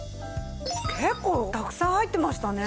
結構たくさん入ってましたね。